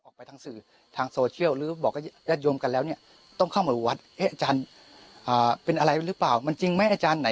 ในหมู่บ้านองเข้เนี่ย